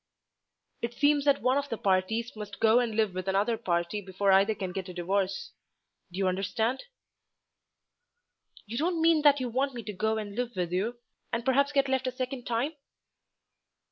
"It seems that one of the parties must go and live with another party before either can get a divorce. Do you understand?" "You don't mean that you want me to go and live with you, and perhaps get left a second time?"